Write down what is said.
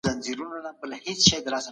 خپلي کوټې ته رڼا پرېږدئ.